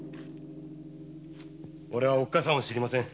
おれはおっかさんを知りません。